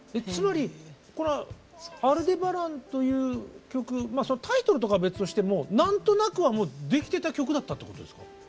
つまりこの「アルデバラン」という曲タイトルとかは別としても何となくはもうできてた曲だったってことですか？